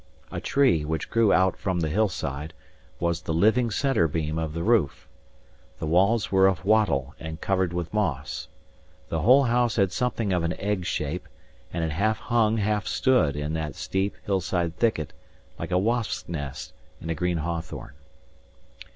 A tree, which grew out from the hillside, was the living centre beam of the roof. The walls were of wattle and covered with moss. The whole house had something of an egg shape; and it half hung, half stood in that steep, hillside thicket, like a wasp's nest in a green hawthorn.